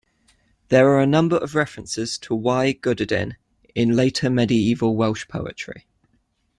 There are a number of references to "Y Gododdin" in later Medieval Welsh poetry.